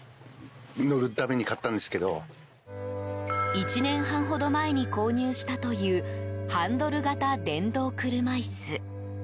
１年半ほど前に購入したというハンドル型電動車いす。